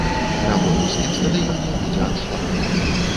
На гомельскім стадыёне будзе аншлаг.